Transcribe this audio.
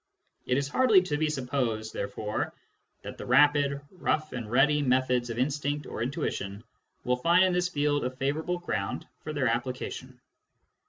It is hardly to be supposed, therefore, that the rapid, rough and ready methods of instinct or intuition will find in this field a favourable ground for their application.